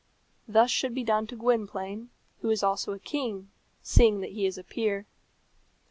Thus should be done to Gwynplaine, who is also a king, seeing that he is a peer.